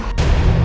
kami adopsi dia